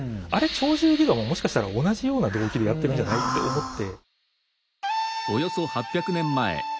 「鳥獣戯画」ももしかしたら同じような動機でやってるんじゃない？って思って。